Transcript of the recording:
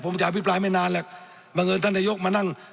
ผมจะอภิปรายไม่นานหรอกบังเอิญท่านนายกมานั่ง